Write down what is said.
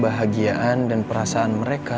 kebahagiaan dan perasaan mereka